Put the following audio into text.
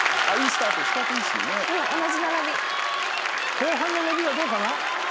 後半の伸びはどうかな？